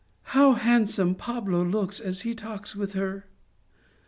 " How handsome Pablo looks as he talks with her."